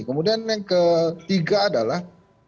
kemudian yang ketiga adalah